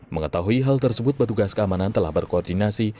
mengetahui hal tersebut petugas keamanan telah berkoordinasi